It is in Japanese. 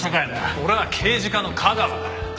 俺は刑事課の架川だ。